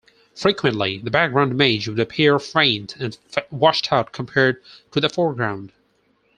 Frequently the background image would appear faint and washed out compared to the foreground.